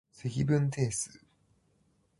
積分定数